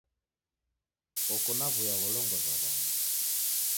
Oko na w'uya gholongoza w'andu.